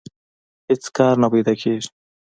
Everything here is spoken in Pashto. هېڅ کار نه پیدا کېږي